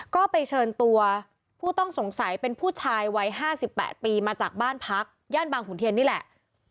ก็ไปเชิญตัวผู้ต้องสงสัยเป็นผู้ชายวัย๕๘ปีมาจากบ้านพักย่านบางขุนเทียนนี่แหละ